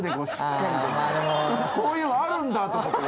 こういうのあるんだと思った。